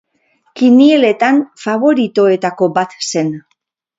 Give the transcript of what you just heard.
Kinieletan faboritoetako bat zen.